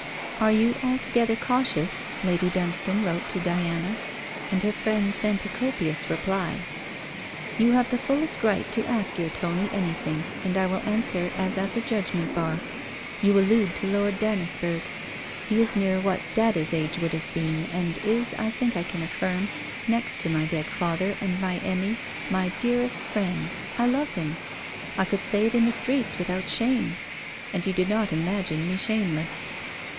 'Are you altogether cautious?' Lady Dunstane wrote to Diana; and her friend sent a copious reply: 'You have the fullest right to ask your Tony anything, and I will answer as at the Judgement bar. You allude to Lord Dannisburgh. He is near what Dada's age would have been, and is, I think I can affirm, next to my dead father and my Emmy, my dearest friend. I love him. I could say it in the streets without shame; and you do not imagine me shameless.